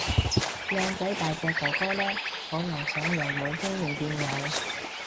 靚仔大隻哥哥嚟，可能想由冇經驗變有